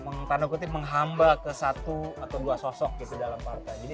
yang tanda kutip menghamba ke satu atau dua sosok gitu dalam partai